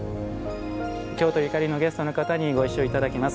京都ゆかりのゲストの方にご一緒いただきます。